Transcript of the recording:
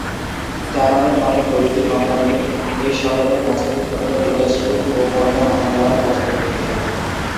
জাপানের অনেক বৈদ্যুতিক কোম্পানির এই শহরে মাঝারী ধরনের ইন্ডাস্ট্রি ও পণ্য আনা নেওয়ার কাজ করে থাকে।